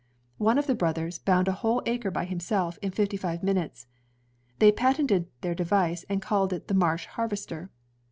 One of the brothers bound a whole acre by himself, in fifty five minutes. They patented their device, and called it the Marsh harvester.